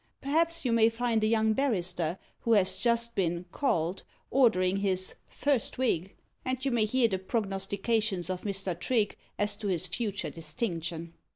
Perhaps you may find a young barrister who has just been "called," ordering his "first wig," and you may hear the prognostications of Mr. Trigge as to his future distinction.